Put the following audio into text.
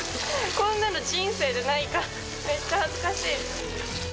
こんなの人生でないから、めっちゃ恥ずかしい。